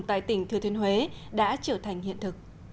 tại tỉnh thừa thiên huế đã trở thành hiện thực